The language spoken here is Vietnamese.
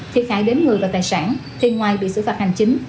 thiệt hại đến người và tài sản thì ngoài bị xử phạt hành chính